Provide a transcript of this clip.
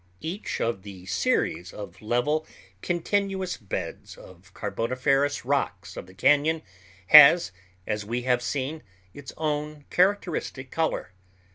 Each of the series of level, continuous beds of carboniferous rocks of the cañon has, as we have seen, its own characteristic color.